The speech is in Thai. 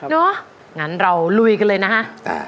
เนอะงั้นเราลุยกันเลยนะฮะมา